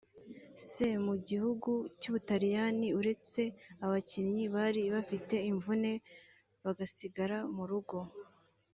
C mu gihugucy’ubutaliyani uretse abakinnyi bari bafite imvune bagasigara mu rugo